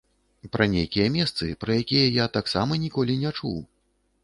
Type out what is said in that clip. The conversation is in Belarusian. Пра нейкія месцы, пра якія я таксама ніколі не чуў.